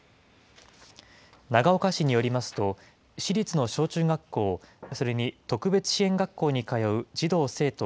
長岡市によりますと、市立の小中学校、それに特別支援学校に通う児童・生徒